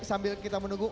sambil kita menunggu